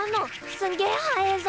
すんげえ速えぞ！